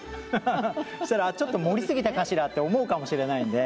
そしたらちょっと盛り過ぎたかしらって思うかもしれないので。